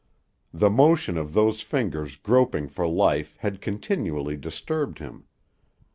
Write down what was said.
The motion of those fingers groping for life had continually disturbed him.